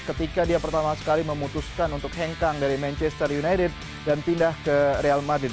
ketika dia pertama sekali memutuskan untuk hengkang dari manchester united dan pindah ke real madrid